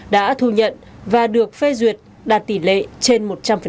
đã thu nhận và được phê duyệt đạt tỷ lệ trên một trăm linh